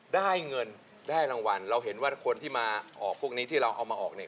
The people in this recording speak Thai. ได้เงินได้รางวัลเราเห็นว่าคนที่มาออกพวกนี้ที่เราเอามาออกเนี่ย